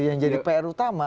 yang jadi pr utama